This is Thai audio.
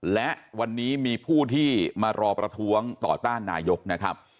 และวันนี้มีผู้ที่มารอประท้วงต่อต้านนายกนะครับ